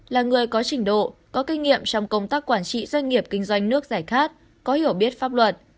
là người có trình độ có kinh nghiệm trong công tác quản trị doanh nghiệp kinh doanh nước giải khát có hiểu biết pháp luật